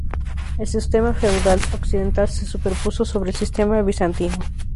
El sistema feudal occidental se superpuso sobre el sistema bizantino.